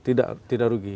tidak tidak rugi